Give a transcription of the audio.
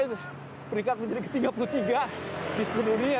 ini peringkat menjadi ke tiga puluh tiga di seluruh dunia